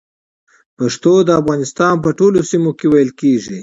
پښتو د افغانستان په ټولو سيمو کې ویل کېږي